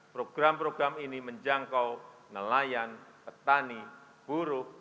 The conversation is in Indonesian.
program program ini menjangkau nelayan petani buruh